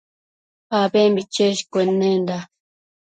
abembi cheshcuennenda